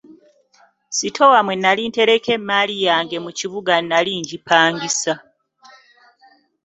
Sitoowa mwe nali ntereka emmaali yange mu kibuga nali ngipangisa.